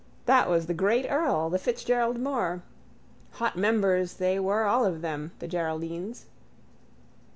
That was the great earl, the Fitzgerald Mor. Hot members they were all of them, the Geraldines.